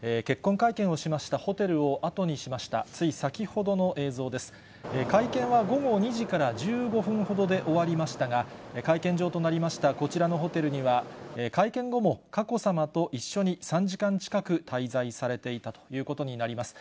会見は午後２時から１５分ほどで終わりましたが、会見場となりましたこちらのホテルには、会見後も佳子さまと一緒に３時間近く滞在されていたということになります。